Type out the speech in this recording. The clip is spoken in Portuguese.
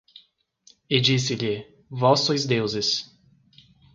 E disse-lhe: vós sois deuses